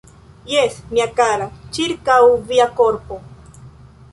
Jes, mia kara, ĉirkaŭ via korpo.